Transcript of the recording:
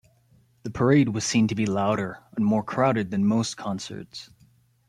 The parade was seen to be louder and more crowded than most concerts.